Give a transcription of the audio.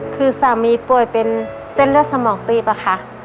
คือสามีป่วยเป็นเส้นเลือดสมองตีบอะค่ะ